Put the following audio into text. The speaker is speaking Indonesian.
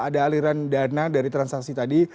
ada aliran dana dari transaksi tadi